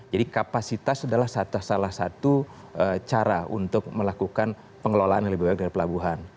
jadi kapasitas adalah salah satu cara untuk melakukan pengelolaan lebih baik dari pelabuhan